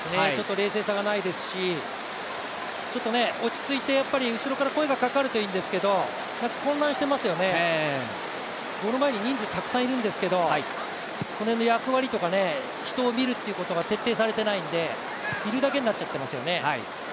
冷静さがないですし、落ち着いて後ろから声がかかるといいんですけど混乱していますよね、ゴール前に人数たくさんいるんですけど、その辺の役割とか人を見るということが徹底されていないので、いるだけになっちゃってますよね。